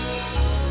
hadap aja teman teman